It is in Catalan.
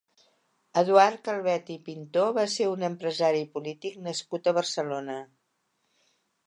Eduard Calvet i Pintó va ser un empresari i polític nascut a Barcelona.